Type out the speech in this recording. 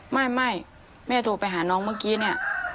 ไม่แม่โทรไปหาน้องเมื่อกี้เนี่ย